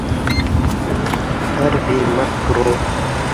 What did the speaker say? — Дарби Макгроу!